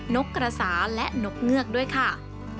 นกกระสาและนกเงือกด้วยค่ะ